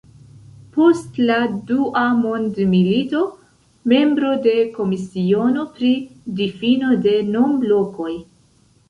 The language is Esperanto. Post la dua mondmilito membro de Komisiono pri Difino de Nom-Lokoj.